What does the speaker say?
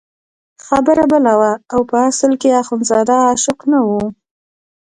خبره بله وه او په اصل کې اخندزاده عاشق نه وو.